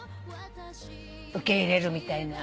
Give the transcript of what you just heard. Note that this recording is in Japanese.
受け入れるみたいな。